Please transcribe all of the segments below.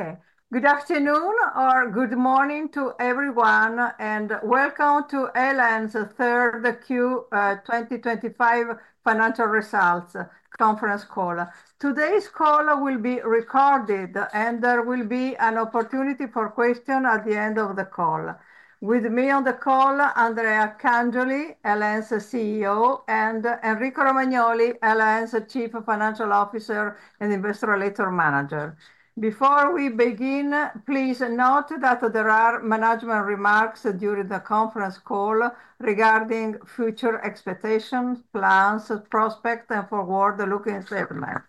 Okay. Good afternoon or good morning to everyone and welcome to El.En.'s 3rd Q 2025 Financial Results Conference call. Today's call will be recorded and there will be an opportunity for questions at the end of the call. With me on the call, Andrea Cangioli, El.En.'s CEO, and Enrico Romagnoli, El.En.'s Chief Financial Officer and Investor Relations Manager. Before we begin, please note that there are management remarks during the conference call regarding future expectations, plans, prospects, and forward-looking statements.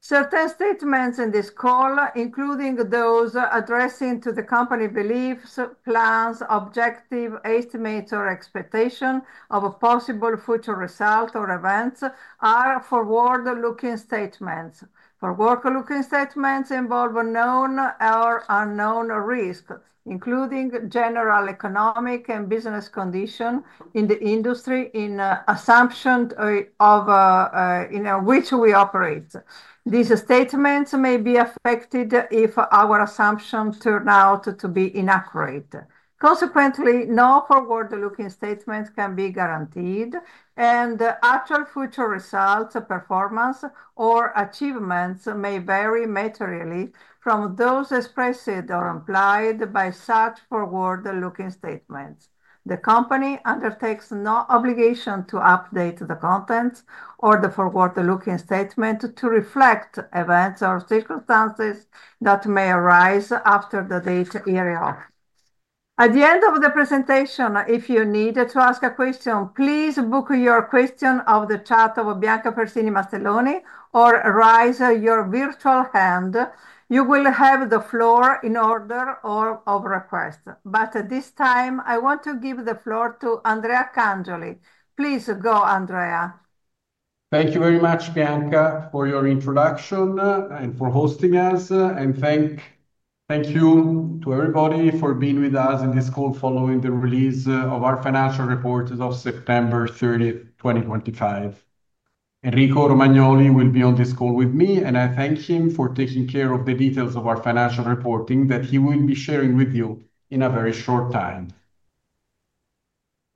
Certain statements in this call, including those addressing the company beliefs, plans, objectives, estimates, or expectations of a possible future result or events, are forward-looking statements. Forward-looking statements involve known or unknown risk, including general economic and business conditions in the industry. In assumptions in which we operate, these statements may be affected if our assumptions turn out to be inaccurate. Consequently, no forward looking statements can be guaranteed and actual future results, performance or achievements may vary materially from those expressed or implied by such forward looking statements. The Company undertakes no obligation to update the contents or the forward looking statement to reflect events or circumstances that may arise after the date hereof. At the end of the presentation, if you need to ask a question, please book your question on the chat of Bianca or raise your virtual hand. You will have the floor in order of request, but at this time I want to give the floor to Andrea Cangioli. Please go, Andrea. Thank you very much, Bianca, for your introduction and for hosting us. Thank you to everybody for being with us in this call. Following the release of our financial report of September 30th, 2025, Enrico Romagnoli will be on this call with me and I thank him for taking care of the details of our financial reporting that he will be sharing with you in a very short time.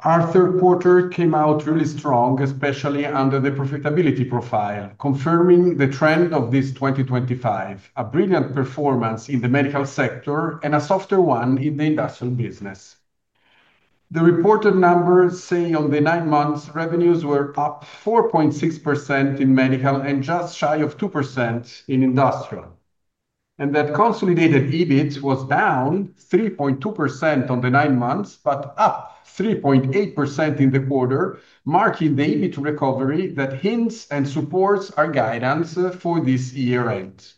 Our third quarter came out really strong, especially under the profitability profile, confirming the trend of this 2025. A brilliant performance in the medical sector and a softer one in the industrial business. The reported numbers say on the nine months revenues were up 4.6% in medical and just shy of 2% in industrial. That consolidated EBIT was down 3.2% on the nine months, but up 3.8% in the quarter, marking the EBIT recovery that hints and supports our guidance for this year end.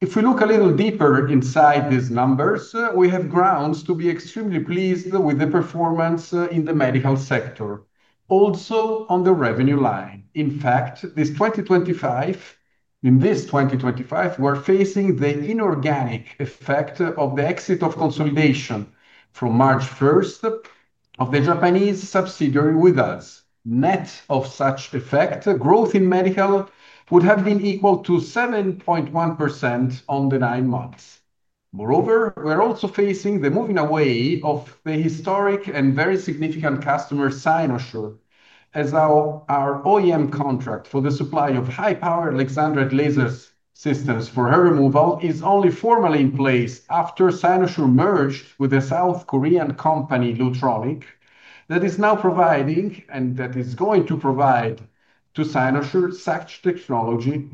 If we look a little deeper inside these numbers, we have grounds to be extremely pleased with the performance in the medical sector also on the revenue line. In fact, this 2025. In this 2025 we're facing the inorganic effect of the exit of consolidation from March 1st of the Japanese subsidiary Withus. Net of such effect, growth in medical would have been equal to 7.1% on the nine months. Moreover, we're also facing the moving away of the historic and very significant customer Cynosure as our OEM contract for the supply of high power Alexandrite laser systems for hair removal is only formally in place after Cynosure merged with the South Korean company Lutronic that is now providing and that is going to provide to Cynosure such technology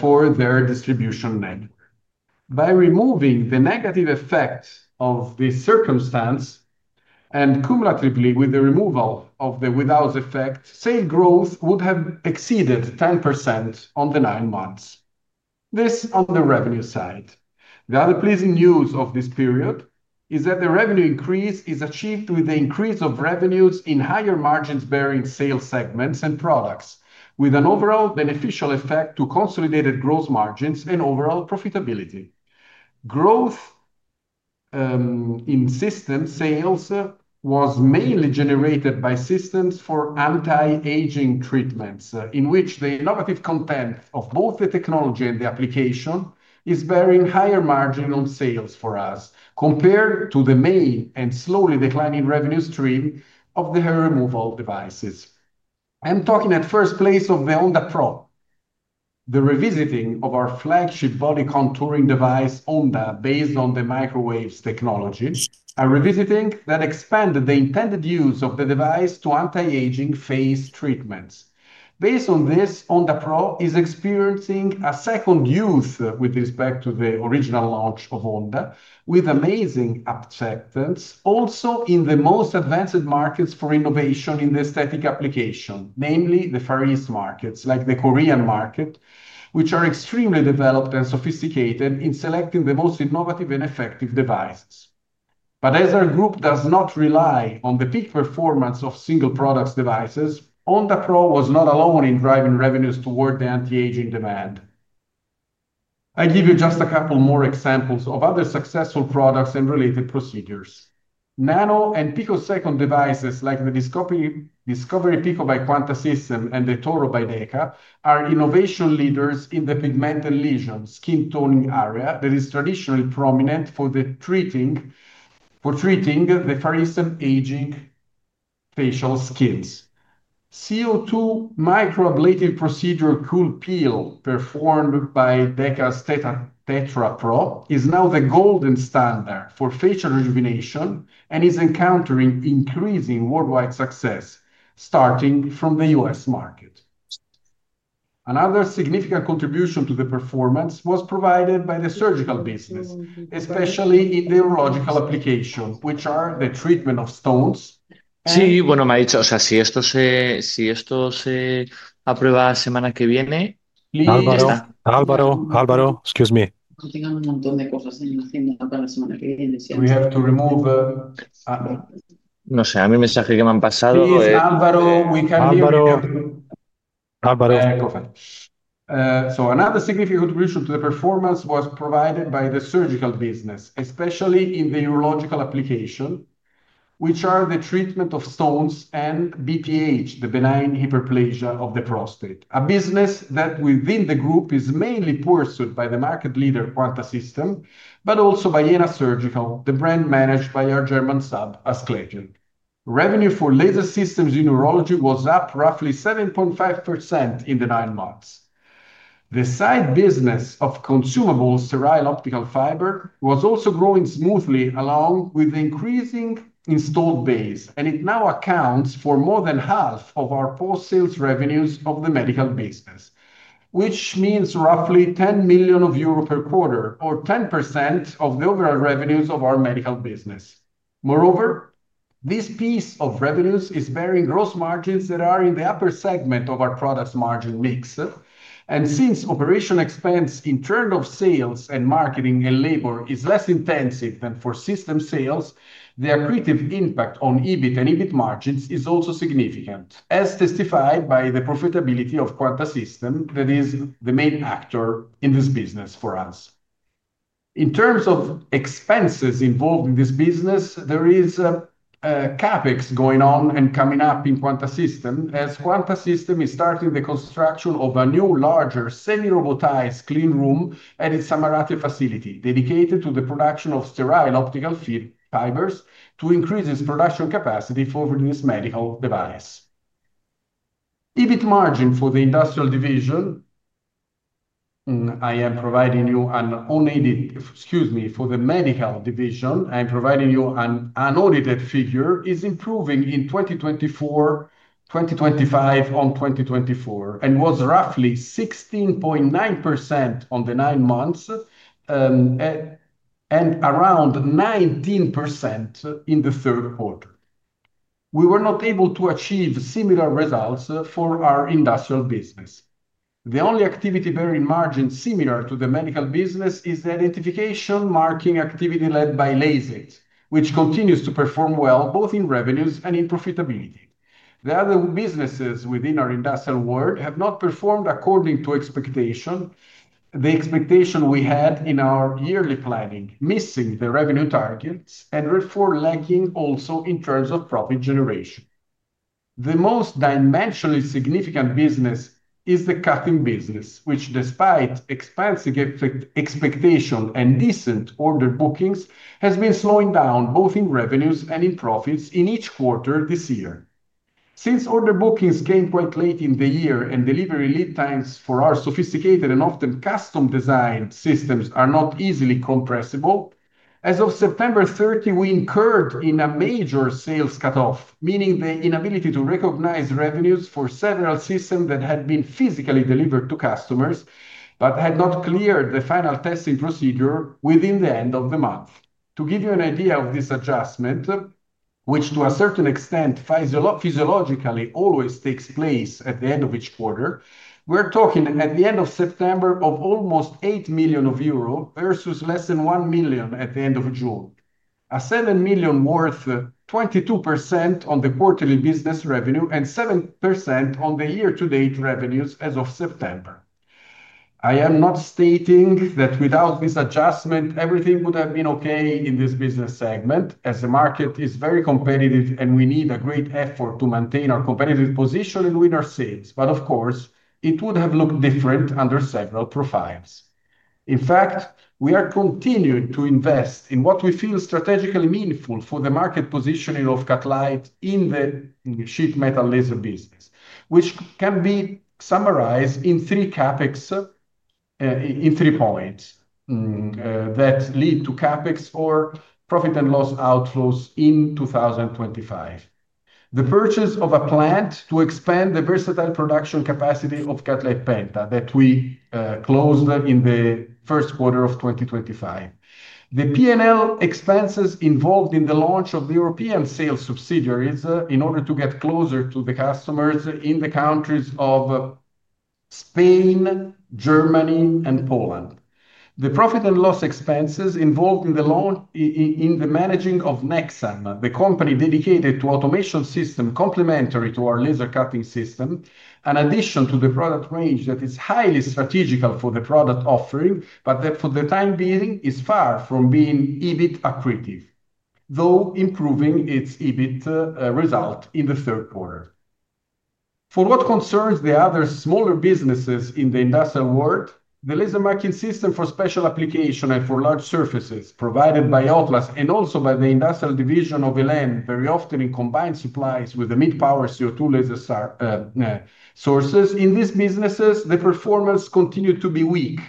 for their distribution network. By removing the negative effect of this circumstance and cumulatively with the removal of the without effect, sale growth would have exceeded 10% on the nine months. This on the revenue side, the other pleasing news of this period is that the revenue increase is achieved with the increase of revenues in higher margins bearing sales segments and products with an overall beneficial effect to consolidated gross margins and overall profitability. Growth in system sales was mainly generated by systems for anti-aging treatments in which the innovative content of both the technology and the application is bearing higher margin on sales for us compared to the main and slowly declining revenue stream of the hair removal devices. I am talking at first place of the Onda Pro, the revisiting of our flagship body contouring device Onda based on the microwaves technology, a revisiting that expanded the intended use of the device to anti-aging face treatments. Based on this, Onda Pro is experiencing a second youth with respect to the original launch of Onda with amazing acceptance also in the most advanced markets for innovation in the aesthetic application, namely the Far East markets like the Korean market which are extremely developed and sophisticated in selecting the most innovative and effective devices. As our group does not rely on the peak performance of single products or devices, Onda Pro was not alone in driving revenues toward the anti-aging demand. I give you just a couple more examples of other successful products and related procedures. Nano and picosecond devices like the Discovery Pico by Quanta System and the Etoro by DEKA are innovation leaders in the pigmented lesion skin toning area that is traditionally prominent for treating the fariescent aging facial skins. CO2 microablative procedure Cool Peel performed by DEKA's Tetra Pro is now the golden standard for facial rejuvenation and is encountering increasing worldwide success starting from the U.S. market. Another significant contribution to the performance was provided by the surgical business, especially in the urological application which are the treatment of stones. Excuse me. We have to remove, so another significant contribution to the performance was provided by the surgical business, especially in the urological application, which are the treatment of stones and BPH, the benign hyperplasia of the prostate, a business that within the group is mainly pursued by the market leader Quanta System, but also by Jena Surgical, the brand managed by our German sub Asclepion. Revenue for laser systems in neurology was up roughly 7.5% in the nine months. The side business of consumable sterile optical fiber was also growing smoothly along with the increasing installed base, and it now accounts for more than half of our post-sales revenues of the medical business, which means roughly 10 million euro per quarter or 10% of the overall revenues of our medical business. Moreover, this piece of revenues is bearing gross margins that are in the upper segment of our products margin mix, and since operation expense in terms of sales and marketing and labor is less intensive than for system sales, the accretive impact on EBIT and EBIT margins is also significant, as testified by the profitability of Quanta System that is the main actor in this business for us. In terms of expenses involved in this business, there CapEx going on and coming up in Quanta System, as Quanta System is starting the construction of a new larger semi-robotized clean room at its Samarate facility dedicated to the production of sterile optical fibers to increase its production capacity for this medical device. EBIT margin for the industrial division, I am providing you an unaided—excuse me. For the medical division I am providing you an unaudited figure is improving in 2024-2025 on 2024 and was roughly 16.9% on the nine months and around 19% in the third quarter. We were not able to achieve similar results for our industrial business. The only activity bearing margin similar to the medical business is the identification marking activity led by Lasit, which continues to perform well both in revenues and in profitability. The other businesses within our industrial world have not performed according to expectation. The expectation we had in our yearly planning, missing the revenue targets and therefore lagging also in terms of profit generation. The most dimensionally significant business is the cutting business, which despite expensive expectations and decent order bookings has been slowing down both in revenues and in profits in each quarter this year since order bookings came quite late in the year and delivery lead times for our sophisticated and often custom designed systems are not easily compressible. As of September 30th we incurred in a major sales cutoff, meaning the inability to recognize revenues for several systems that had been physically delivered to customers but had not cleared the final testing procedure within the end of the month. To give you an idea of this adjustment which to a certain extent physiologically always takes place at the end of each quarter. We're talking at the end of September of almost 8 million euro versus less than 1 million at the end of June, a 7 million worth 22% on the quarterly business revenue and 7% on the year to date revenues as of September. I am not stating that without this adjustment everything would have been okay in this business segment as the market is very competitive and we need a great effort to maintain our competitive position and win our sales, but of course it would have looked different under several profiles. In fact, we are continuing to invest in what we feel is strategically meaningful for the market positioning of Cutlite Penta in the sheet metal laser business, which can be summarized in three points that lead to CapEx or profit and loss outflows in 2025: the purchase of a plant to expand the versatile production capacity of Cutlite Penta that we closed in the first quarter of 2025, the P&L expenses involved in the launch of the European sales subsidiaries in order to get closer to the customers in the countries of Spain, Germany, and Poland, the profit and loss expenses involved in the loan in the managing of Nexen, the company dedicated to automation systems complementary to our laser cutting system, an addition to the product range that is highly strategical for the product offering but that for the time being is far from being EBIT accretive, though improving its EBIT result in the third quarter. For what concerns the other smaller businesses in the industrial world, the laser marking system for special applications and for large surfaces provided by Outlast and also by the industrial division of El.En., very often in combined supplies with the mid power CO2 laser sources, in these businesses the performance continued to be weak.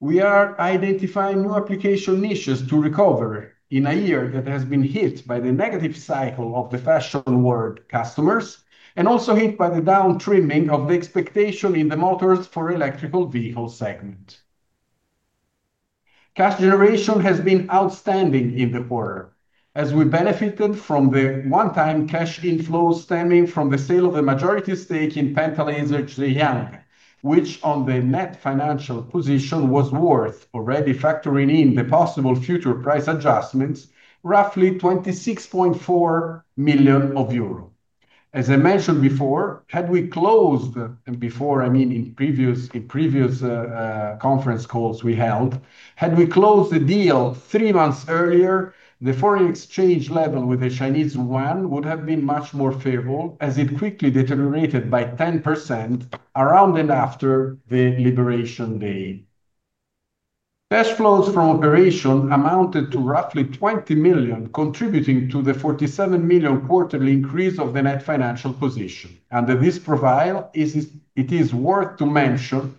We are identifying new application niches to recover in a year that has been hit by the negative cycle of the fashion world customers and also hit by the down trimming of the expectation in the motors for electrical vehicle segment. Cash generation has been outstanding in the quarter as we benefited from the one time cash inflow stemming from the sale of a majority stake in Penta Laser Zhejiang which on the net financial position was worth, already factoring in the possible future price adjustments, roughly 26.4 million euro. As I mentioned before, had we closed before, I mean in previous conference calls we held. Had we closed the deal three months earlier, the foreign exchange level with the Chinese Yuan would have been much more favorable as it quickly deteriorated by 10% around and after the Liberation Day. Cash flows from operation amounted to roughly 20 million, contributing to the 47 million quarterly increase of the Net Financial Position. Under this profile, it is worth to mention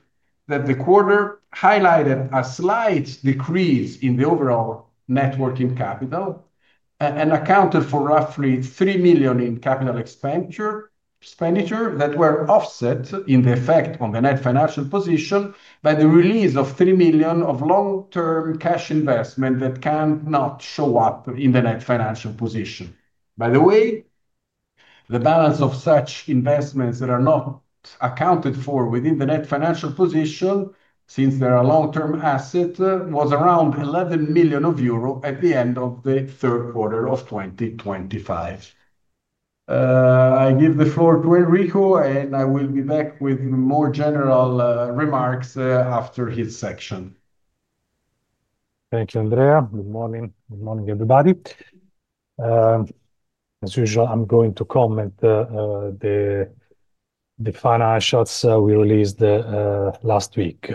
that the quarter highlighted a slight decrease in the overall networking capital and accounted for roughly 3 million in capital expenditure that were offset in the effect on the Net Financial Position by the release of 3 million of long-term cash investment that cannot show up in the Net Financial Position. By the way, the balance of such investments that are not accounted for within the Net Financial Position since they're a long term asset was around 11 million euro at the end of the third quarter of 2025. I give the floor to Enrico and I will be back with more general remarks after his section. Thank you Andrea. Good morning. Good morning everybody. As usual. I'm going to comment the final shots we released last week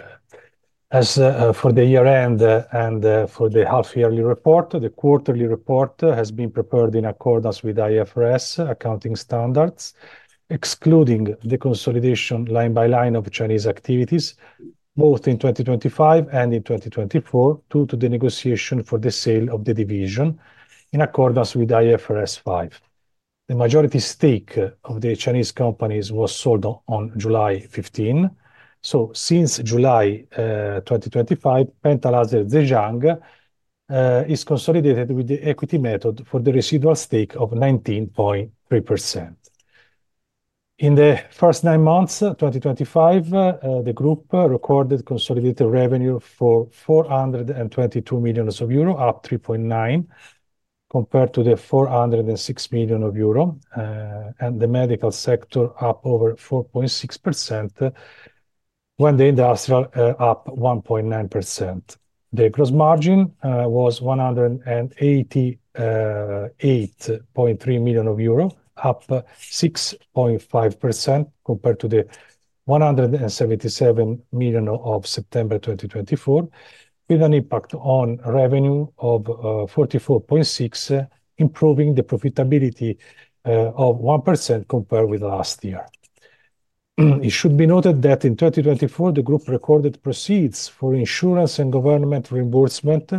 as for the year end and for the half yearly report. The quarterly report has been prepared in accordance with IFRS accounting standards excluding the consolidation line by line of Chinese activities both in 2025 and in 2024 due to the negotiation for the sale of the division in accordance with IFRS 5. The majority stake of the Chinese Companies was sold on July 15. Since July 2025 Penta Laser Zhejiang is consolidated with the equity method for the residual stake of 19.3%. In the first nine months 2025 the group recorded consolidated revenue for 422 million euro, up 3.9% compared to the 406 million euro and the medical sector up over 4.6%. When the industrial up 1.9%, the gross margin was 188.3 million euro up 6.5% compared to the 177 million of September 2024 with an impact on revenue of 44.6% improving the profitability of 1% compared with last year. It should be noted that in 2024 the group recorded proceeds for insurance and government reimbursement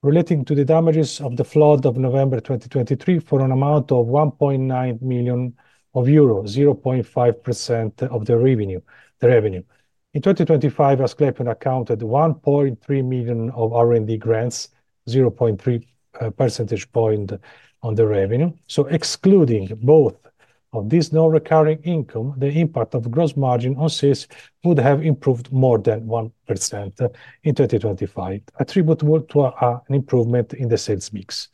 relating to the damages of the flood of November 2023 for an amount of 1.9 million euros, 0.5% of the revenue. The revenue in 2025 accounted 1.3 million of R&D grants, 0.3 percentage point on the revenue. Excluding both of these non-recurring income, the impact of gross margin on sales would have improved more than 1% in 2025 attributable to an improvement in the sales mix.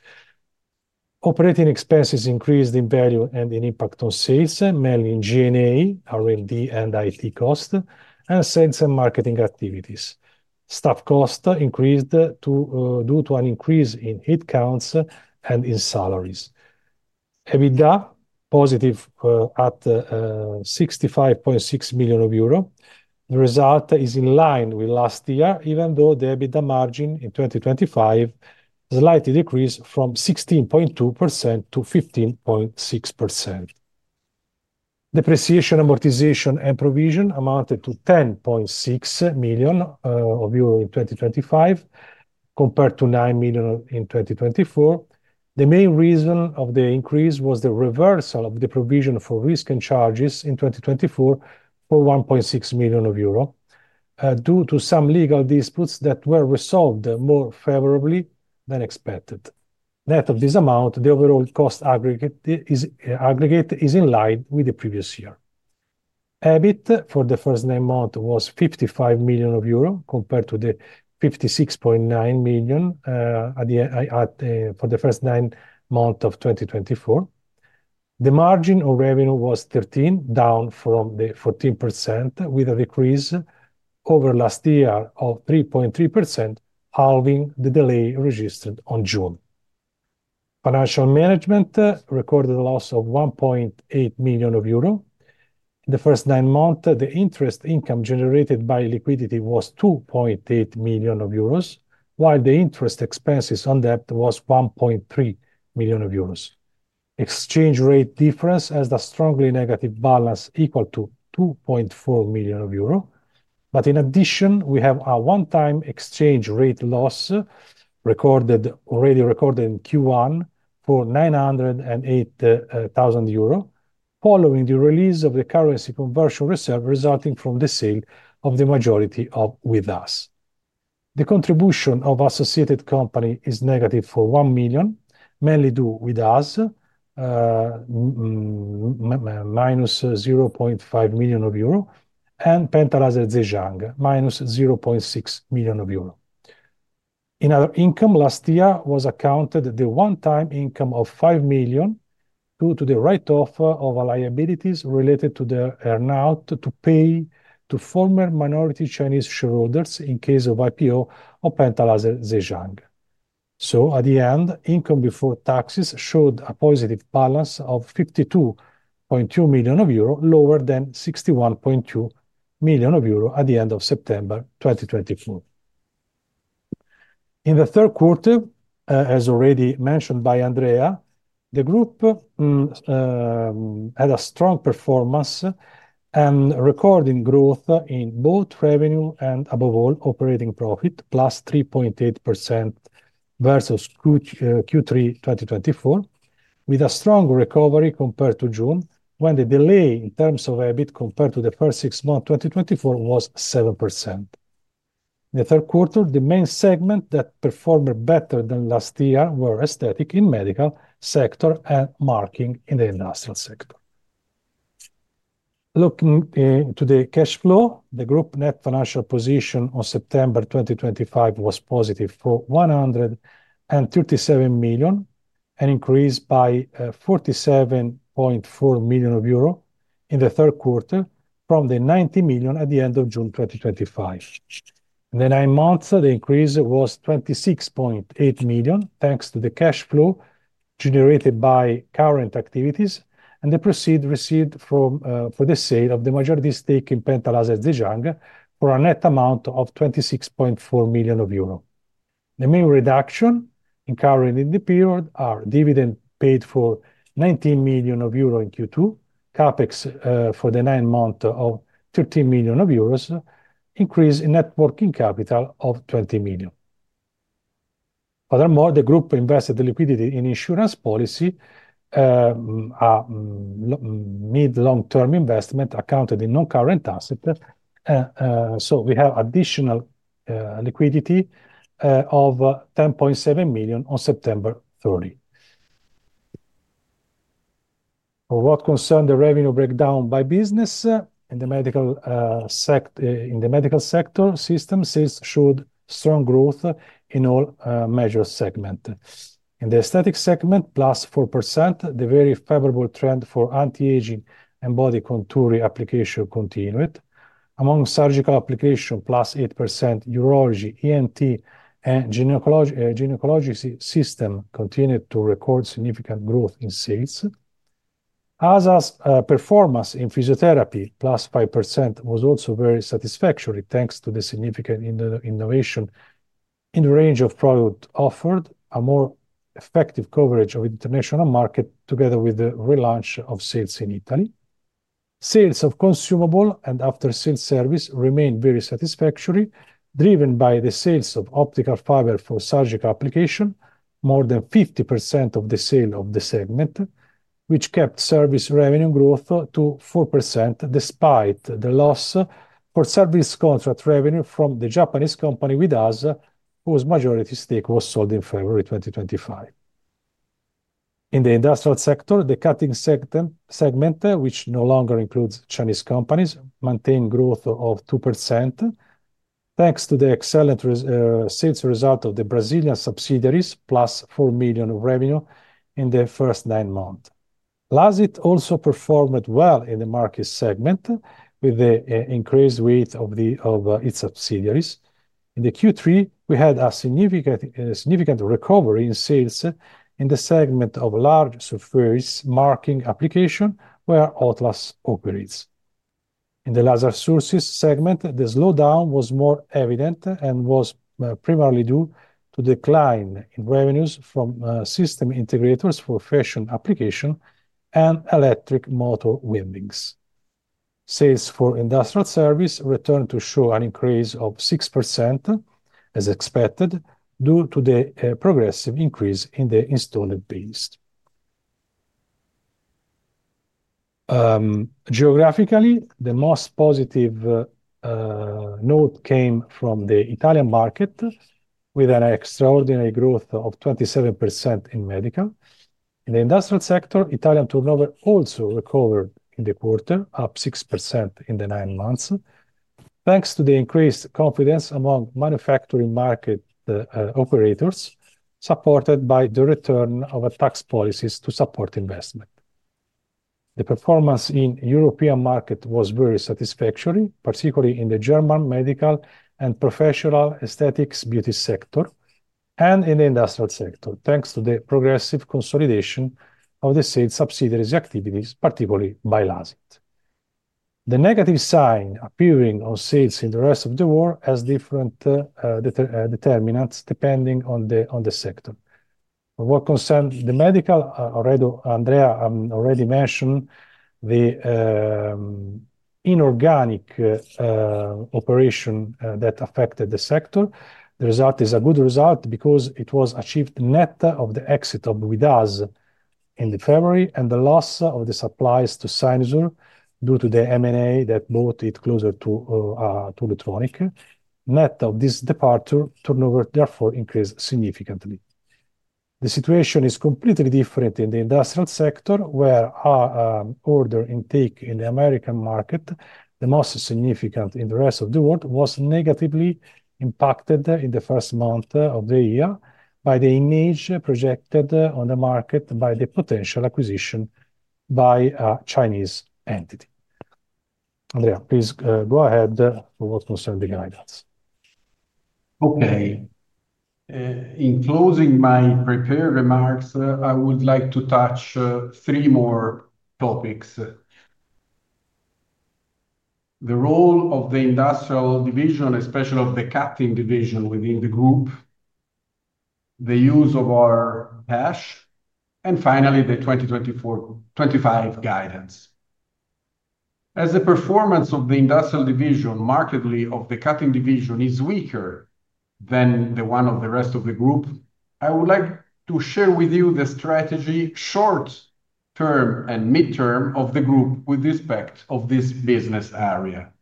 Operating expenses increased in value and in impact on sales, mainly in GNA, R&D and IT cost and sales and marketing activities. Staff cost increased due to an increase in headcount and in salaries. EBITDA positive at 65.6 million euro. The result is in line with last year even though the EBITDA margin in 2025 slightly decreased from 16.2%-15.6%. Depreciation, amortization and provision amounted to 10.6 million euro in 2025 compared to 9 million in 2024. The main reason of the increase was the reversal of the provision for risk and charges in 2024 for 1.6 million euro due to some legal disputes that were resolved more favorably than expected. Net of this amount, the overall cost aggregate is in line with the previous year. EBIT for the first nine months was 55 million euro compared to the 56.9 million for the first nine months of 2024. The margin of revenue was 13% down from the 14% with a decrease over last year of 3.3%. Halving the delay registered on June, financial management recorded a loss of 1.8 million euro in the first nine months. The interest income generated by liquidity was 2.8 million euros while the interest expenses on debt was 1.3 million euros. Exchange rate difference has the strongly negative balance equal to 2.4 million euro. In addition, we have a one-time exchange rate loss already recorded in Q1 for 908,000 euro following the release of the currency conversion reserve resulting from the sale of the majority of Withus. The contribution of associated company is negative for 1 million, mainly due to Withus - 0.5 million euro and Penta Laser Zhejiang - 0.6 million euro. In our income last year was accounted the one-time income of 5 million due to the write-off of liabilities related to the earn-out to pay to former minority Chinese shareholders in case of IPO or Penta Laser Zhejiang. At the end, income before taxes showed a positive balance of 52.2 million euro, lower than 61.2 million euro at the end of September 2024. In the third quarter as already mentioned by Andrea, the group had a strong performance and recording growth in both revenue and above all operating profit +3.8% versus Q3 2024 with a strong recovery compared to June when the delay in terms of EBIT compared to the first six months 2024 was 7% in the third quarter. The main segments that performed better than last year were aesthetic in medical sector and marking in the industrial sector. Looking to the cash flow, the group net financial position on September 2025 was positive for 137 million and increase by 47.4 million euro in the third quarter from the 90 million at the end of June 2025. In the nine months the increase was 26.8 million thanks to the cash flow generated by current activities and the proceeds received for the sale of the majority stake in Penta Laser Zhejiang for a net amount of 26.4 million euro. The main reduction incurring in the period are dividend paid for 19 million euro in Q2, CapEx for the nine months of 13 million euros, increase in net working capital of 20 million. Furthermore, the group invested the liquidity in insurance policy mid long term investment accounted in non current assets, so we have additional liquidity of 10.7 million on September 30. What concern the revenue breakdown by business in the medical sector? In the medical sector, system showed strong growth in all major segment. In the aesthetic segment, +4%, the very favorable trend for anti-aging and body contour application continued. Among surgical application, +8%, urology, ENT, and gynecology system continued to record significant growth in sales. AA's performance in physiotherapy, +5%, was also very satisfactory thanks to the significant innovation in the range of product offered, a more effective coverage of international market together with the relaunch of sales. In Italy, sales of consumable and after sales service remained very satisfactory, driven by the sales of optical fiber for surgical application, more than 50% of the sale of the segment, which kept service revenue growth to 4% despite the loss for service contract revenue from the Japanese company Withus, whose majority stake was sold in February 2025. In the industrial sector, the cutting segment, which no longer includes Chinese Companies, maintained growth of 2% thanks to the excellent sales result of the Brazilian subsidiaries, + 4 million of revenue in the first nine months. Lasit also performed well in the market segment with the increased width of its subsidiaries. In the Q3 we had a significant recovery in sales in the segment of large surface marking applications where Outlast operates. In the laser sources segment, the slowdown was more evident and was primarily due to decline in revenues from system integrators for fashion applications and electric motor weavings. Sales for industrial service returned to show an increase of 6% as expected due to the progressive increase in the installed base. Geographically, the most positive note came from the Italian market with an extraordinary growth of 27% in medical. In the industrial sector, Italian turnover also recovered in the quarter, up 6% in the nine months thanks to the increased confidence among manufacturing market operators, supported by the return of tax policies to support investment. The performance in the European market was very satisfactory, particularly in the German medical and professional esthetics beauty sector and in the industrial sector, thanks to the progressive consolidation of the sales subsidiaries' activities, particularly Lasit. The negative sign appearing on sales in the rest of the world has different determinants depending on the sector. What concerned the medical, Andrea already mentioned the inorganic operation that affected the sector. The result is a good result because it was achieved net of the exit of Withus in February and the loss of the supplies to Cynosure due to the M&A that brought it closer to Lutronic. Net of this departure, turnover therefore increased significantly. The situation is completely different in the industrial sector, where our order intake in the American market, the most significant in the rest of the world, was negatively impacted in the first month of the year by the image projected on the market by the potential acquisition by a Chinese Entity. Andrea, please go ahead. What concerns the guidance? Okay, in closing my prepared remarks I would like to touch three more topics: the role of the industrial division, especially of the cutting division within the group, the use of our cash, and finally the 2024-2025 guidance. As the performance of the industrial division, markedly of the cutting division, is weaker than the one of the rest of the group, I would like to share with you the strategy, short term and midterm, of the group with respect to this business area.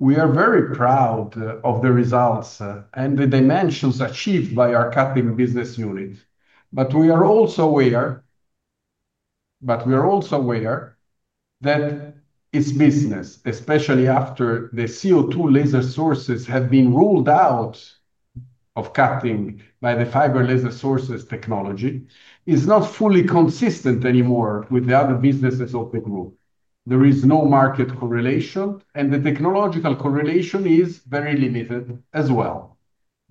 We are very proud of the results and the dimensions achieved by our cutting business unit, but we are also aware that its business, especially after the CO2 laser sources have been ruled out of cutting by the fiber laser sources technology, is not fully consistent anymore with the other businesses of the group. There is no market correlation and the technological correlation is very limited as well.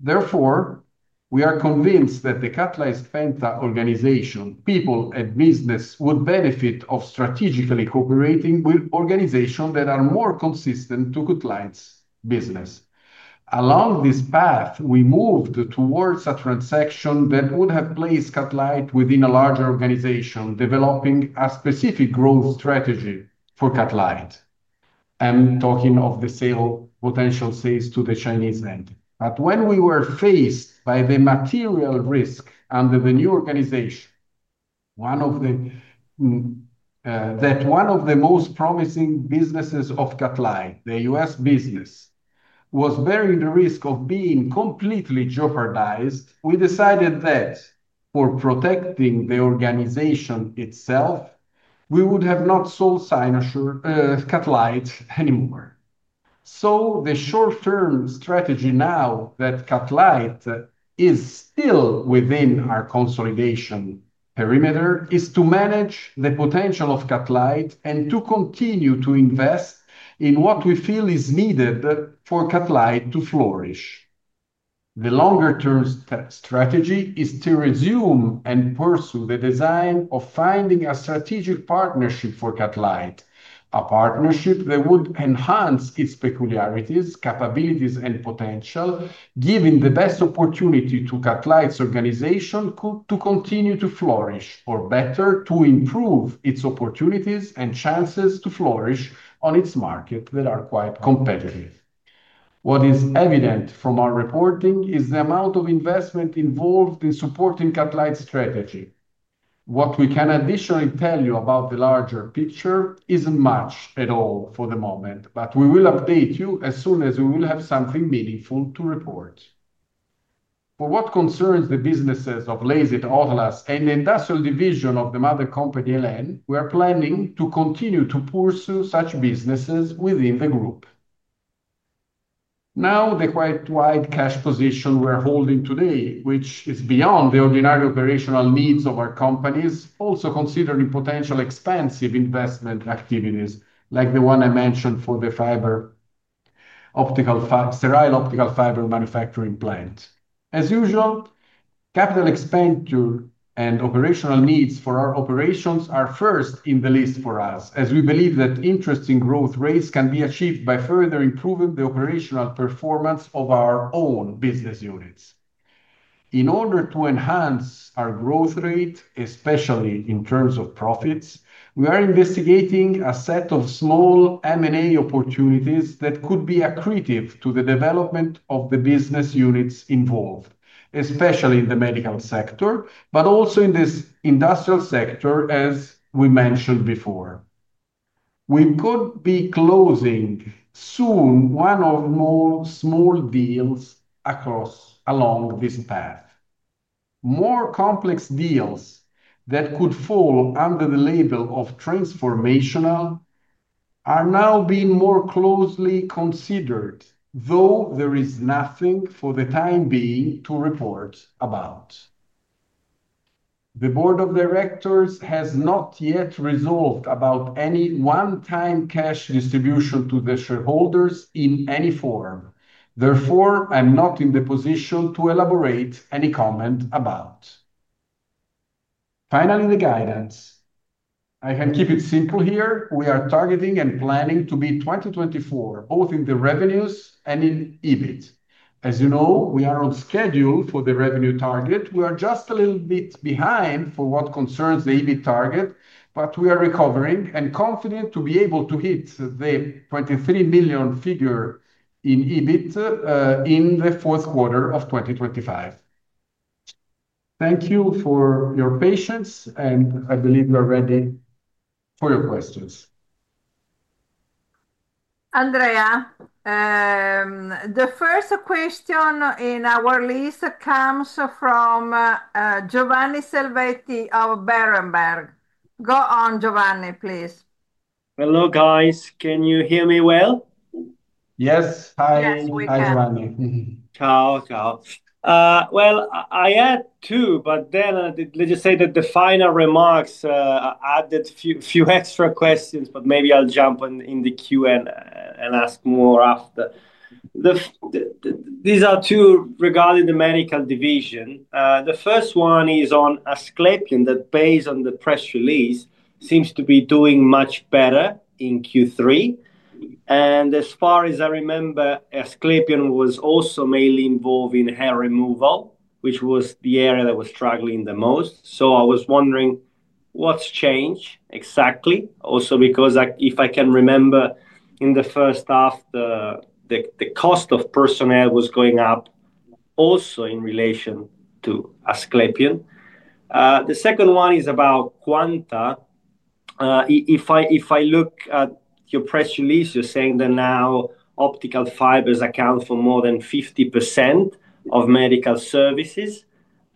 Therefore, we are convinced that the Cutlite Penta organization, people, and business would benefit from strategically cooperating with organizations that are more consistent to Cutlite Penta's business. Along this path, we moved towards a transaction that would have placed Cutlite Penta within a larger organization developing a specific growth strategy for Cutlite Penta. I'm talking of the potential sales to the Chinese land. When we were faced by the material risk under the new organization that one of the most promising businesses of Cutlite Penta, the U.S. business, was bearing the risk of being completely jeopardized, we decided that for protecting the organization itself we would have not sold Cutlite Penta anymore. The short term strategy now that Cutlite Penta is still within our consolidation perimeter is to manage the potential of Cutlite Penta and to continue to invest in what we feel is needed for Cutlite Penta to flourish. The longer term strategy is to resume and pursue the design of finding a strategic partnership for Cutlite Penta, a partnership that would enhance its peculiarities, capabilities and potential, giving the best opportunity to Cutlite Penta's organization to continue to flourish or better to improve its opportunities and chances to flourish on its market that are quite competitive. What is evident from our reporting is the amount of investment involved in supporting Cutlite Penta strategy. What we can additionally tell you about the larger picture isn't much at all for the moment, but we will update you as soon as we will have something meaningful to report. For what concerns the businesses of Lasit, Outlast and the industrial division of the mother company El.En., we are planning to continue to pursue such businesses within the group. Now the quite wide cash position we are holding today, which is beyond the ordinary operational needs of our companies. Also considering potential expensive investment activities like the one I mentioned for the optical fiber sterile optical fiber manufacturing plant. As usual, capital expenditure and operational needs for our operations are first in the list for us as we believe that interesting growth rates can be achieved by further improving the operational performance of our own business units. In order to enhance our growth rate, especially in terms of profits, we are investigating a set of small M&A opportunities that could be accretive to the development of the business units involved, especially in the medical sector, but also in this industrial sector. As we mentioned before, we could be closing soon one or more small deals along this path. More complex deals that could fall under the label of transformational are now being more closely considered, though there is nothing for the time being to report about. The Board of Directors has not yet resolved about any one time cash distribution to the shareholders in any form. Therefore, I'm not in the position to elaborate any comment about finally the guidance. I can keep it simple here we are targeting and planning to be 2024 both in the revenues and in EBIT. As you know, we are on schedule for the revenue target. We are just a little bit behind for what concerns the EBIT target, but we are recovering and confident to be able to hit the 23 million figure in EBIT in the fourth quarter of 2025. Thank you for your patience and I believe we are ready for your questions. Andrea, the first question in our list comes from Giovanni Salvetti of Berenberg. Go on Giovanni, please. Hello guys, can you hear me well? Yes, hi Giovanni. I had two, but then let's just say that the final remarks added a few extra questions, but maybe I'll jump in the Q and ask more after. These are two regarding the medical division. The first one is on Asclepion. That based on the press release seems to be doing much better in Q3. And as far as I remember, Asclepion was also mainly involved in hair removal, which was the area that was struggling the most. I was wondering what's changed exactly. Also because if I can remember, in the first half the cost of personnel was going up also in relation to Asclepion. The second one is about Quanta. If I look at your press release, you're saying that now optical fibers account for more than 50% of medical services.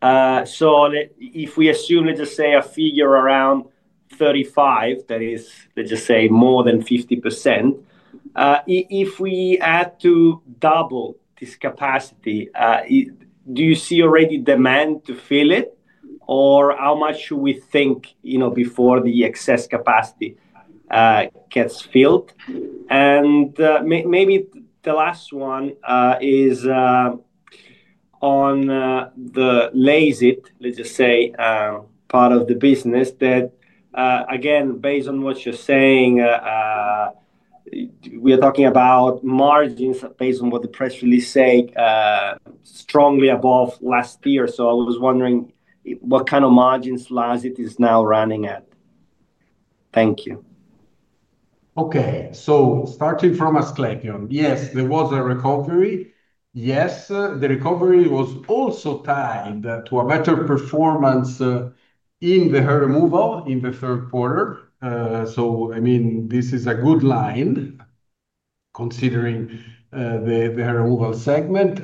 If we assume, let's just say a figure around 35, that is, let's just say more than 50%. If we add to double this capacity, do you see already demand to fill it or how much should we think, you know, before the excess capacity gets filled? Maybe the last one is on the, let's just say, part of the business that again, based on what you're saying, we are talking about margins based on what the press release says strongly above last year. I was wondering what kind of margins, Lars, it is now running at. Thank you. Okay, so starting from Asclepion, yes, there was a recovery. Yes, the recovery was also tied to a better performance in the hair removal in the third quarter. I mean this is a good line considering the removal segment.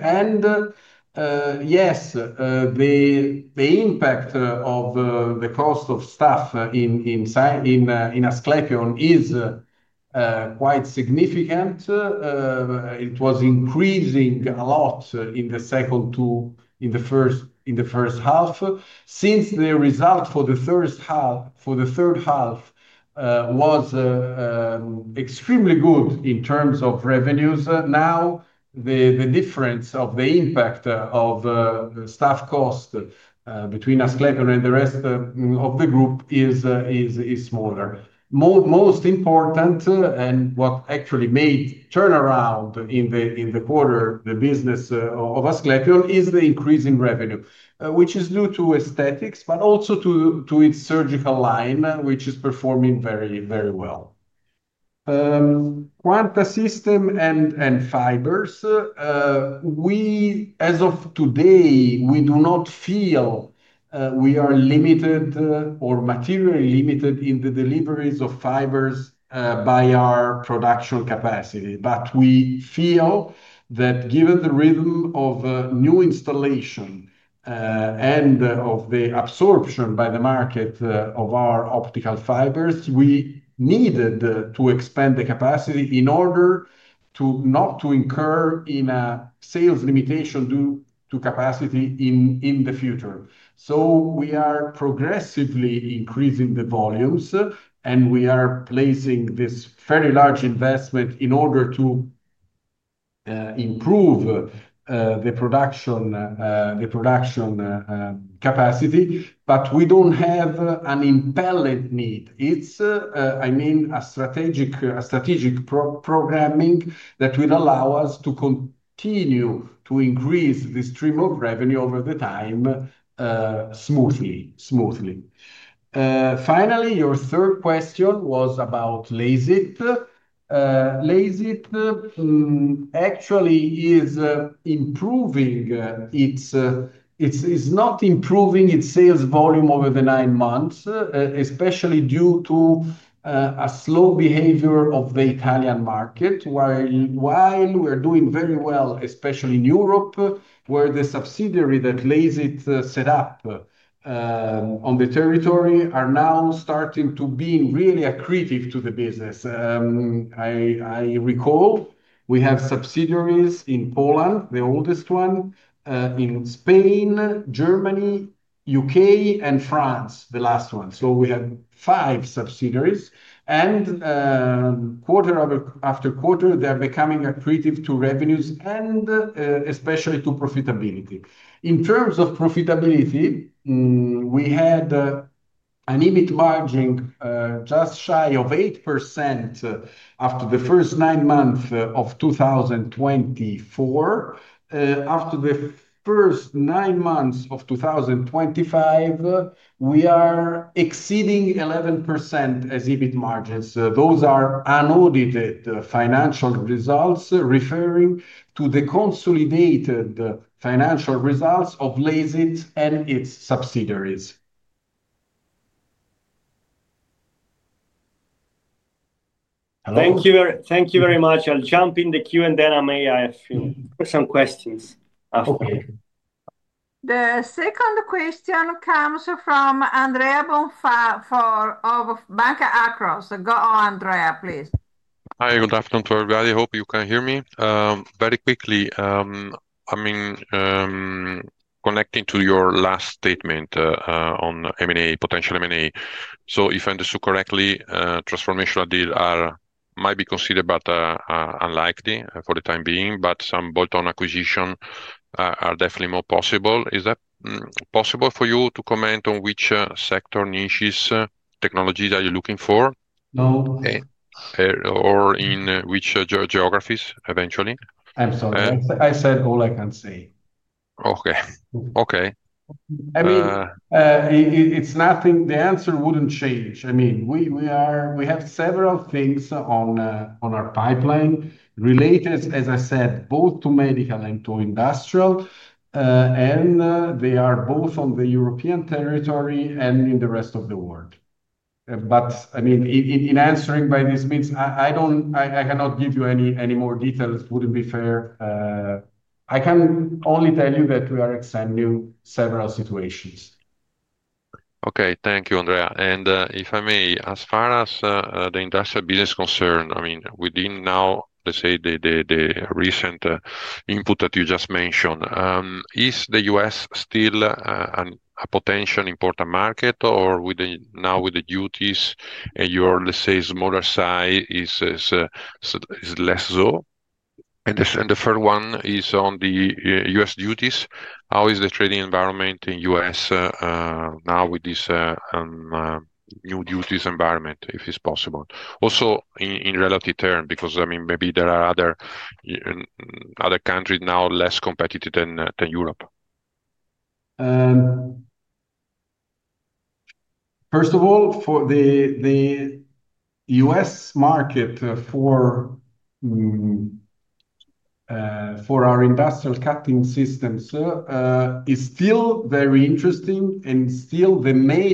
Yes, the impact of the cost of staff in Asclepion is quite significant. It was increasing a lot in the first half. Since the result for the first half, for the third quarter was extremely good in terms of revenues. Now the difference of the impact of staff cost between Asclepion and the rest of the group is smaller, more most important. What actually made turnaround in the quarter in the business of Asclepion is the increase in revenue which is due to aesthetics, but also to. To its surgical line, which is performing very, very Quanta System and fibers. We, as of today, we do not feel we are limited or materially limited in the deliveries of fibers by our production capacity. We feel that, given the rhythm of new installation and of the absorption by the market of our optical fibers, we needed to expand the capacity in order not to incur in a sales limitation due to capacity in the future. We are progressively increasing the volumes, and we are placing this very large investment in order to improve the production, the production capacity. We do not have an impellent need. It is, I mean, a strategic, strategic programming that will allow us to continue to increase the stream of revenue over the time, smoothly, smoothly. Finally, your third question was about Lasit. Lasit actually is improving its. It is not improving its sales volume over the nine months, especially due to a slow behavior of the Italian market, while we're doing very well, especially in Europe where the subsidiaries that Lasit set up on the territory are now starting to be really accretive to the business. I recall we have subsidiaries in Poland, the oldest one, in Spain, Germany, U.K., and France, the last one. We have five subsidiaries, and quarter after quarter they're becoming accretive to revenues and especially to profitability. In terms of profitability, we had an EBIT margin just shy of 8% after the first nine months of 2024. After the first nine months of 2025, we are exceeding 11% EBIT margins. Those are unaudited financial results referring to the consolidated financial results of Lasit and its subsidiaries. Thank you. Thank you very much. I'll jump in the queue and then I may have some questions. The second question comes from Andrea Bonfà of Banca Akros. Go on Andrea, please. Hi, good afternoon to everybody. Hope you can hear me very quickly. I mean, connecting to your last statement on M&A, potential M&A. If I understood correctly, transformational deal are, might be considered but unlikely for the time being, but some bolt-on acquisition are definitely more possible. Is that possible for you to comment on which sector, niches, technologies are you looking for? No. Or in which geographies eventually. I'm sorry, I said all I can say. Okay, okay. I mean it's nothing, the answer wouldn't change. I mean we have several things on our pipeline related, as I said, both to medical and to industrial, and they are both on the European territory and in the rest of the world. I mean, in answering by this means, I cannot give you any more details, wouldn't be fair. I can only tell you that we are extending several situations. Okay, thank you, Andrea. If I may, as far as the industrial business is concerned, within now, let's say, the recent input that you just mentioned, is the U.S. still a potential important market or now with the duties and your, let's say, smaller size, is it less so? The third one is on the U.S. duties. How is the trading environment in the U.S. now with these new duties? If it's possible, also in relative terms, because I mean maybe there are other, other countries now less competitive than Europe? First of all, the U.S. market for our industrial cutting systems is still very interesting and still the main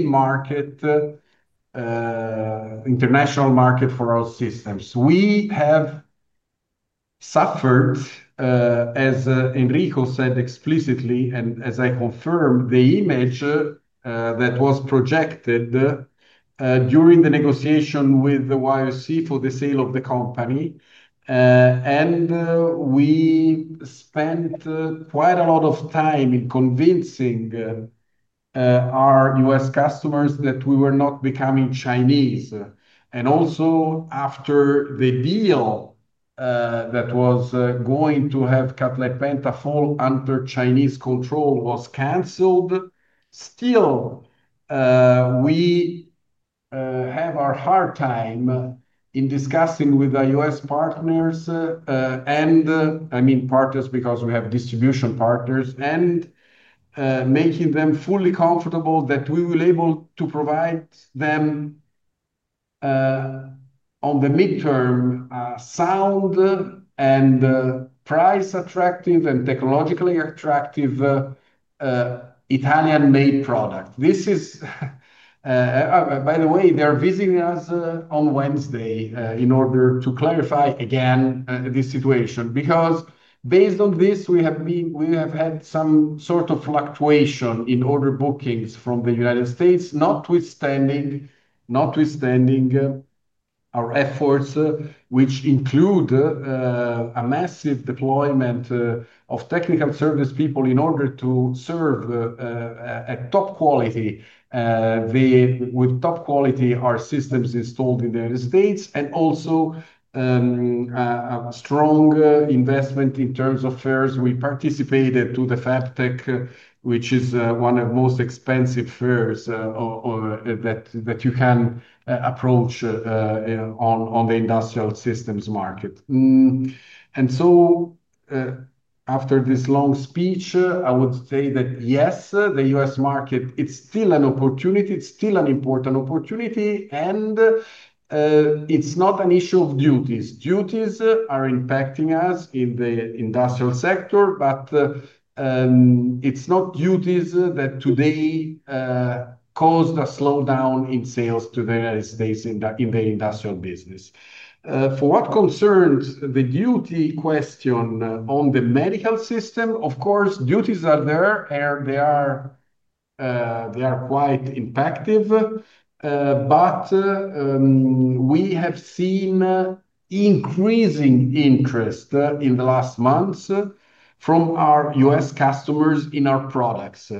international market for all systems. We have suffered, as Enrico said explicitly and as I confirm, the image that was projected during the negotiation with the YOC for the sale of the company. We spent quite a lot of time convincing our U.S. customers that we were not becoming Chinese. Also, after the deal that was going to have Cutlite Penta fall under Chinese control was canceled, we still have a hard time discussing with the U.S. partners, and I mean partners, because we have distribution partners, and making them fully comfortable that we will be able to provide. Them. On the midterm, sound and price attractive and technologically attractive Italian made product. This is, by the way, they are visiting us on Wednesday in order to clarify again this situation because based on this, we have had some sort of fluctuation in order bookings from the United States notwithstanding. Notwithstanding our efforts, which include a massive deployment of technical service people in order to serve at top quality, with top quality our systems installed in the United States and also strong investment in terms of fairs. We participated to the Fabtech, which is one of the most expensive fairs that you can approach on the industrial systems market. After this long speech, I would say that yes, the U.S. market, it is still an opportunity. It is still an important opportunity and it is not an issue of duties. Duties are impacting us in the industrial sector, but it's not duties that today caused a slowdown in sales to the United States in the industrial business. For what concerns the duty question on the medical system? Of course duties are there and they are quite impactive. We have seen increasing interest in the last months from our US customers in our products.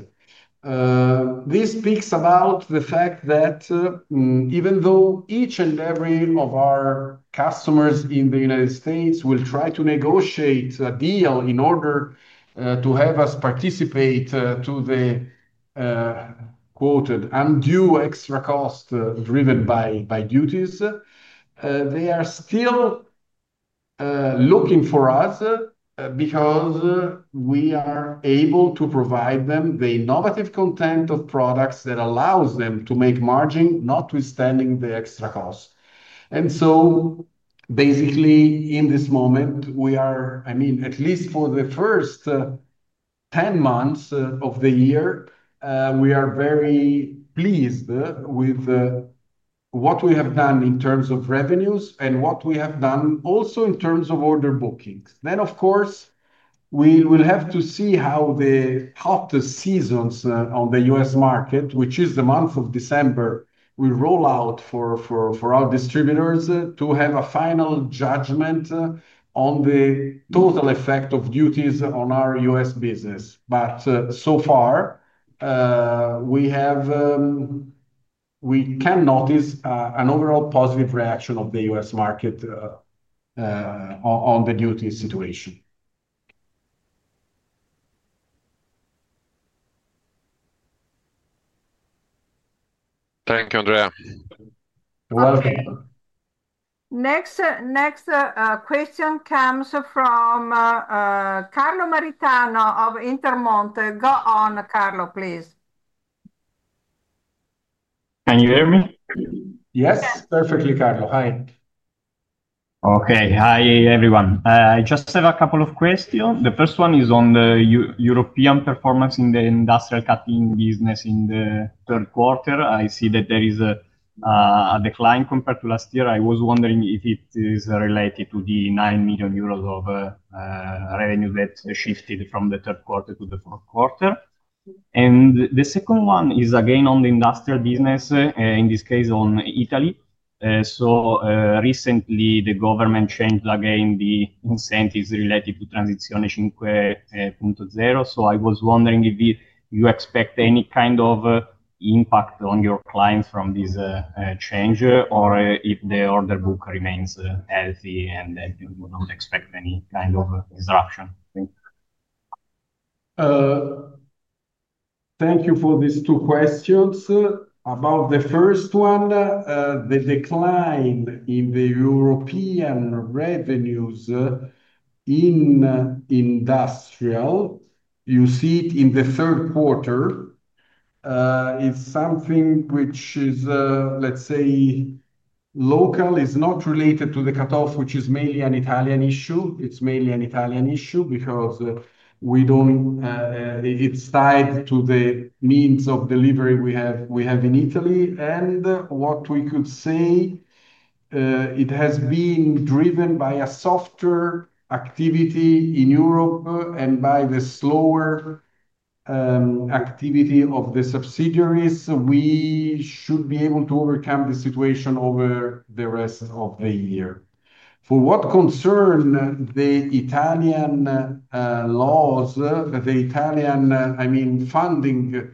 This speaks about the fact that even though each and every of our customers in the United States will try to negotiate a deal in order to have us participate to the quoted undue extra cost driven by duties, they are still looking for us because we are able to provide them the innovative content of products that allows them to make margin notwithstanding the extra cost. Basically in this moment we are, I mean, at least for the first 10 months of the year, we are very pleased with what we have done in terms of revenues and what we have done also in terms of order bookings. Of course we will have to see how the hottest seasons on the U.S. market, which is the month of December, will roll out for our distributors to have a final judgment on the total effect of duties on our U.S. business. So far we have. We can notice an overall positive reaction of the U.S. market on the duty situation. Thank you, Andrea. Welcome. Next. Next question comes from Carlo Maritano of Intermonte. Go on, Carlo, please. Can you hear me? Yes, perfectly. Carlo. Hi. Okay. Hi everyone. I just have a couple of questions. The first one is on the European performance in the industrial cutting business in the third quarter. I see that there is a decline compared to last year. I was wondering if it is related to the 9 million euros of revenue that shifted from the third quarter to the fourth quarter. The second one is again on the industrial business, in this case on Italy. Recently the government changed again the incentives related to Transizione 4.0. I was wondering if you expect any kind of impact on your clients from this change or if the order book remains healthy and you do not expect any kind of disruption. Thank you for these two questions. About the first one, the decline in the European revenues in industrial. You see it in the third quarter. It's something which is, let's say, local, is not related to the cutoff, which is mainly an Italian issue. It's mainly an Italian issue because we don't. It's tied to the means of delivery we have. We have in Italy and what we could say, it has been driven by a softer activity in Europe and by the slower activity of the subsidiaries. We should be able to overcome the situation over the rest of the year. For what concern the Italian laws, the Italian, I mean, funding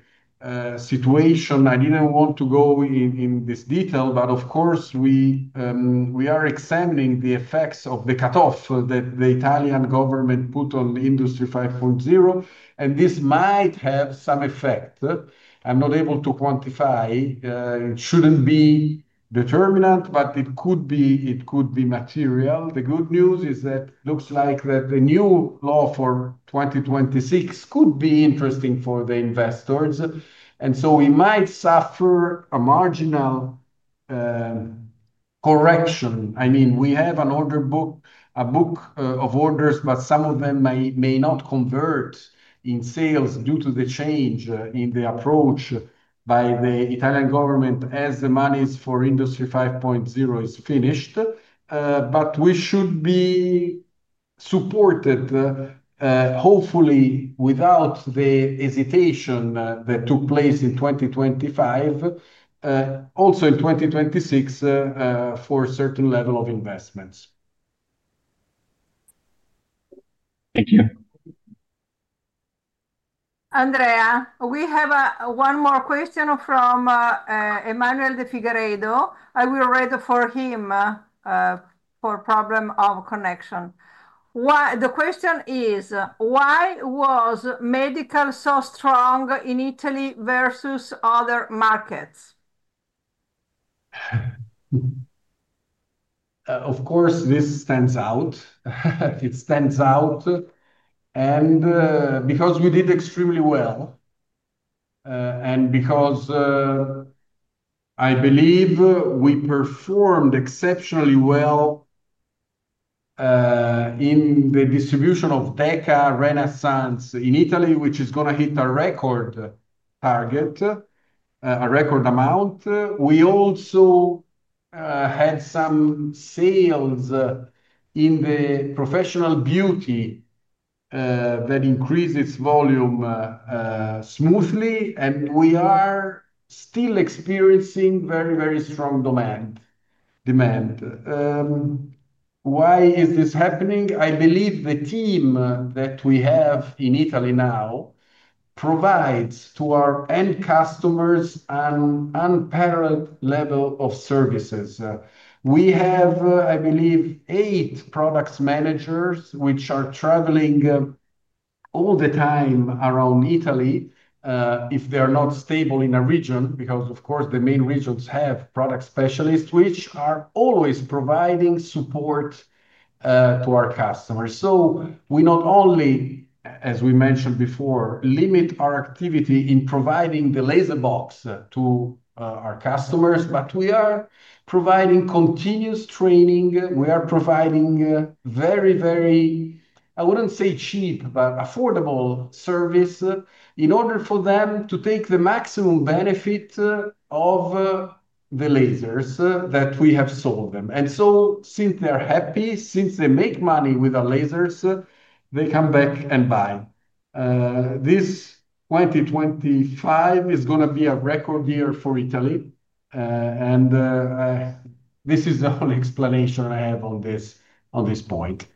situation. I didn't want to go in this detail, but of course we are examining the effects of the cutoff that the Italian government put on Industry 5.0 and this might have some effect. I'm not able to quantify. It shouldn't be determinant, but it could be. It could be material. The good news is that looks like that the new law for 2026 could be interesting for the investors and suffer a marginal correction. I mean, we have an order book, a book of orders, but some of them may not convert in sales due to the change in the approach by the Italian government as the monies for Industry 5.0 is finished, but we should be supported hopefully without the hesitation that took place in 2025, also in 2026 for certain level of investments. Thank you. Andrea. We have one more question from Emmanuel de Figueiredo. I will read for him for problem of connection. The question is why was medical so strong in Italy versus other markets? Of course this stands out. It stands out. Because we did extremely well and because I believe we performed exceptionally well in the distribution of DEKA Renaissance in Italy, which is going to hit a record target, a record amount. We also had some sales in the professional beauty that increases volume smoothly and we are still experiencing very, very strong demand. Why is this happening? I believe the team that we have in Italy now provides to our end customers an unparalleled level of services. We have, I believe, eight product managers which are traveling all the time around Italy if they are not stable in a region because of course the main regions have product specialists which are always providing support to our customers. We not only, as we mentioned before, limit our activity in providing the laser box to our customers, but we are providing continuous training. We are providing very, very, I would not say cheap, but affordable service in order for them to take the maximum benefit of the lasers that we have sold them. Since they are happy, since they make money with the lasers, they come back and buy. This 2025 is going to be a record year for Italy and this is the only explanation I have on this point.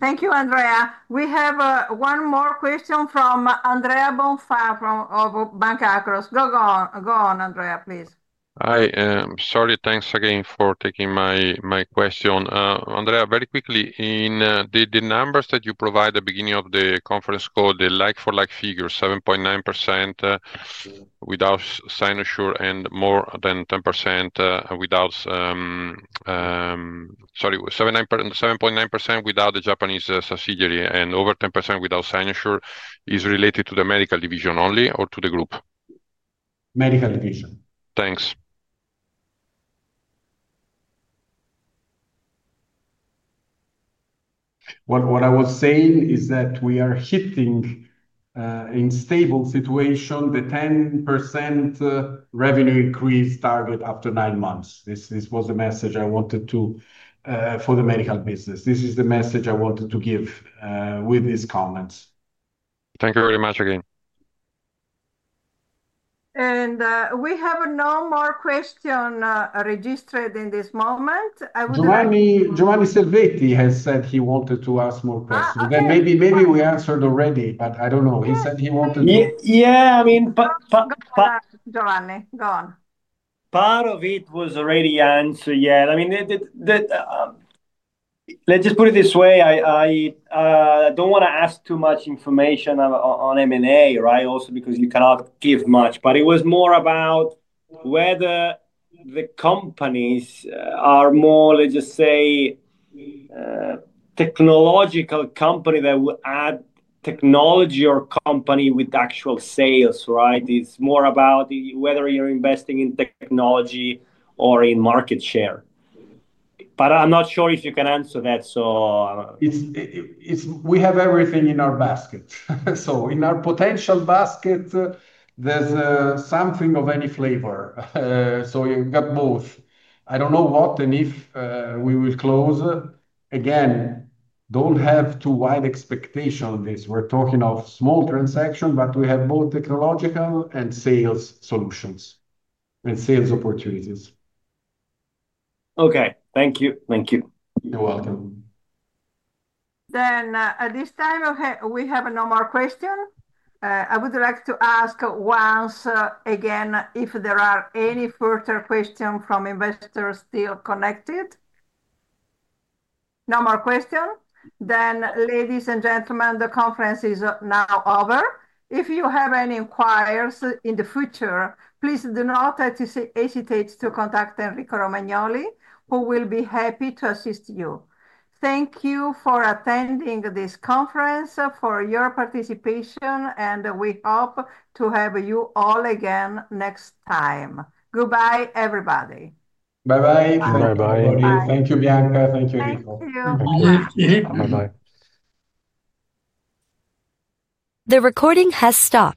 Thank you, Andrea. We have one more question from Andrea Bonfà from Bank Across. Go on, Andrea, please, please. I am sorry, thanks again for taking my, my question. Andrea, very quickly, in the, the numbers that you provide at the beginning of the conference call, the like-for-like figure, 7.9% without the Japanese subsidiary and more than 10% without, sorry, 7.9% without the Japanese subsidiary and over 10% without signature, is related to the medical division only or to the group Medical division. Thanks. What I was saying is that we are hitting in stable situation the 10% revenue increase target after nine months. This was the message I wanted to. For the medical business, this is the message I wanted to give with these comments. Thank you very much again. We have no more questions registered in this moment. Giovanni Salvetti has said he wanted to ask more questions. Maybe we answered already, but I don't know. He said he wanted. Yeah, I mean. Go on. Part of it was already answered. Yeah, I mean, they did that. Let's just put it this way. I don't want to ask too much information on MA. Right. Also because you cannot give much. It was more about whether the companies are more, let's just say, technological company that will add technology or company with actual sales. Right. It's more about whether you're investing in technology or in market share. I'm not sure if you can answer that. So it's. We have everything in our basket. In our potential basket there's something of any flavor. You've got both. I don't know what. If we will close again, don't have too wide expectation on this. We're talking of small transaction, but we have both technological and sales solutions and sales opportunities. Okay, thank you. Thank you. You're welcome. At this time we have no more question. I would like to ask once again if there are any further question from investors still connected. No more questions then. Ladies and gentlemen, the conference is now over. If you have any inquiries in the future, please do not hesitate to contact Enrico Romagnoli, who will be happy to assist you. Thank you for attending this conference, for your participation and we hope to have you all again next time. Goodbye, everybody. Bye bye. Thank you, Bianca. Thank you. Bye bye. The recording has stopped.